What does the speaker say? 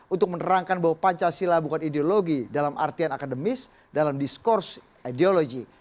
untuk menerangkan bahwa pancasila bukan ideologi dalam artian akademis dalam diskurs ideologi